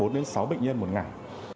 bốn đến sáu bệnh nhân một ngày